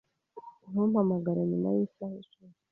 Ntumpamagare nyuma yisaha icumi.